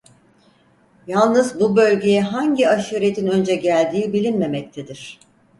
Yalnız bu bölgeye hangi aşiretin önce geldiği bilinmemektedir.